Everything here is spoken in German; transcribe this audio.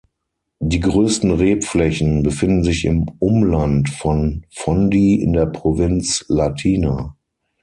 Die größten Rebflächen befinden sich im Umland von Fondi in der Provinz Latina.